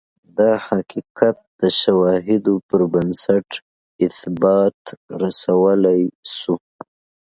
دا حقیقت د شواهدو پربنسټ اثبات رسولای شو.